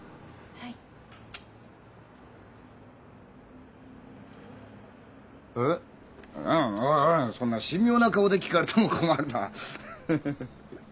おいおいそんな神妙な顔で聞かれても困るなハハハ。